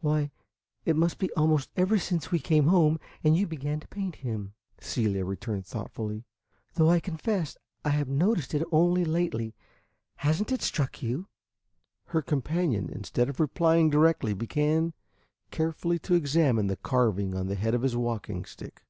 "Why, it must be almost ever since we came home and you began to paint him," Celia returned thoughtfully; "though I confess I have noticed it only lately. Has n't it struck you?" Her companion, instead of replying directly, began carefully to examine the carving on the head of his walking stick.